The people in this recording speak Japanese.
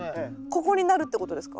ここになるってことですか？